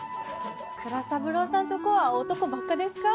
蔵三郎さんとこは男ばっかですか？